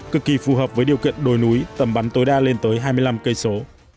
cực kỳ phù hợp với điều kiện đồi núi tầm bắn tối đa lên tới hai mươi năm cây số